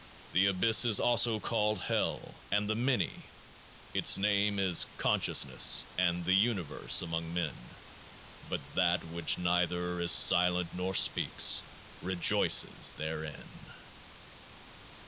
This Abyss is also called 'Hell,' and 'The Many.' Its name is ' Consciousness,' and ' The Universe,' among men. But THAT which neither is silent, nor speaks, rejoices therein.